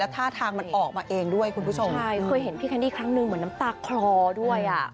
ท่าทางมันออกมาเองด้วยคุณผู้ชมใช่เคยเห็นพี่แคนดี้ครั้งหนึ่งเหมือนน้ำตาคลอด้วยอ่ะ